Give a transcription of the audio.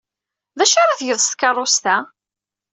D acu ara tgeḍ s tkeṛṛust-a?